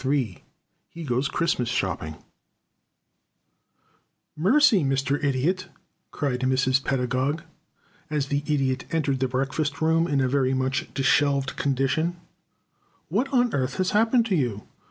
III HE GOES CHRISTMAS SHOPPING "Mercy, Mr. Idiot," cried Mrs. Pedagog, as the Idiot entered the breakfast room in a very much disheveled condition, "what on earth has happened to you?